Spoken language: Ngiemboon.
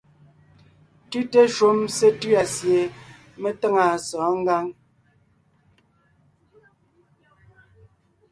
Tʉ́te shúm sétʉ̂a sie me táŋa sɔ̌ɔn ngǎŋ.